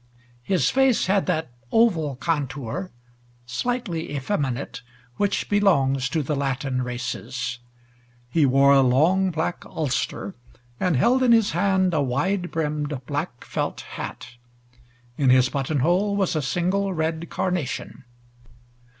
His face had that oval contour, slightly effeminate, which belongs to the Latin races. He wore a long black ulster and held in his hand a wide brimmed, black felt hat. In his buttonhole was a single red carnation.